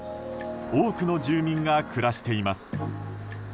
多くの住民が暮らしています。